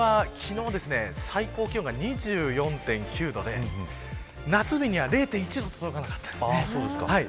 こちらの東京都心は昨日、最高気温が２４．９度で夏日には０．１度、届かなかったんです。